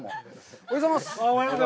おはようございます。